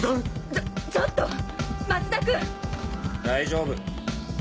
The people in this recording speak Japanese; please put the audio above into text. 大丈夫。